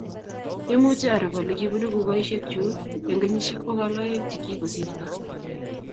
imuch arub ole kibunu kukoisiekyu eng kenyisiek pokol aeng chekikosirto